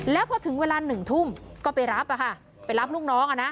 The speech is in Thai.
แล้วพอถึงเวลาหนึ่งทุ่มก็ไปรับอ่ะค่ะไปรับลูกน้องอ่ะนะ